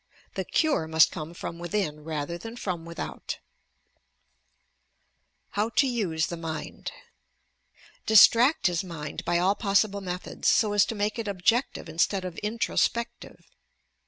The cure must come from within rather than from without. b OBSESSION AND INSANITY HOW TO USB THE MIND Distract his mind by all possible methods, so as to make it objective instead of introspective.